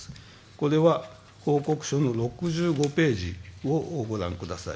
これは、報告書の６５ページをご覧ください。